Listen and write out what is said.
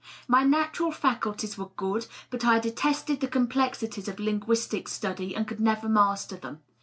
My natural faculties were good, but I detested the complexities of linguistic study, and could never master them.